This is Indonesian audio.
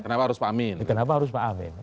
kenapa harus pak amin